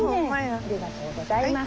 ありがとうございます。